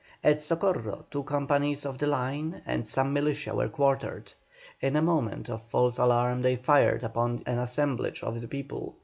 At Socorro two companies of the line and some militia were quartered. In a moment of false alarm they fired upon an assemblage of the people.